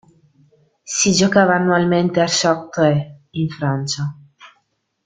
Si giocava annualmente a Chartres in Francia.